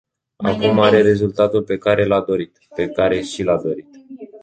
Acum are rezultatul pe care și l-a dorit.